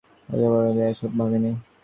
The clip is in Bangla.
পাহাড়ে চড়ার সময় এসব ভাবিনি।